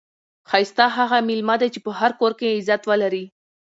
ښایسته هغه میلمه دئ، چي په هر کور کښي عزت ولري.